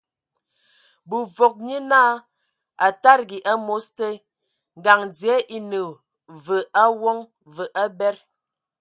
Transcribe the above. Bǝvɔg nye naa a tadigi amos te, ngaŋ dzie e ne ve awon, və abed.